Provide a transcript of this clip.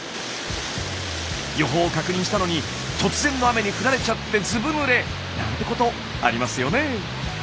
予報を確認したのに突然の雨に降られちゃってずぶぬれ！なんてことありますよね。